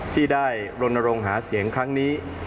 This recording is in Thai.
ที่ได้รณรงค์หาเสียงครั้งนี้